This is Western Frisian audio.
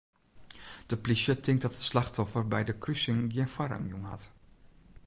De plysje tinkt dat it slachtoffer by de krusing gjin foarrang jûn hat.